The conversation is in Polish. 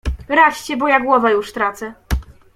"Radźcie, bo ja głowę już tracę."